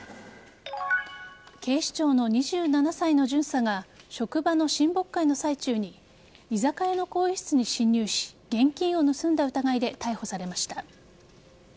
警視庁の２７歳の巡査が職場の親睦会の最中に居酒屋の更衣室に侵入し現金を盗んだ疑いで逮捕されました。